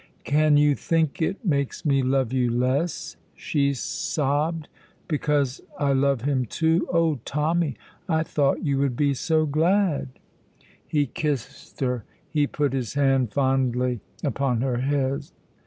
"Can you think it makes me love you less," she sobbed, "because I love him, too? Oh, Tommy, I thought you would be so glad!" He kissed her; he put his hand fondly upon her head.